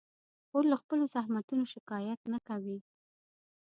خور له خپلو زحمتونو شکایت نه کوي.